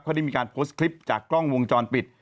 เขาได้มีการโพสต์คลิปจากกล้องวงจรปิด